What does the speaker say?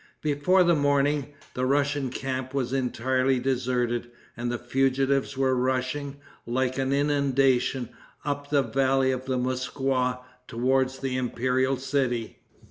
Before the morning, the Russian camp was entirely deserted, and the fugitives were rushing, like an inundation, up the valley of the Moskwa toward the imperial city.